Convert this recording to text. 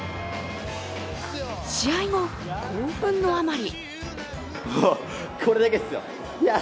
試合後、興奮のあまり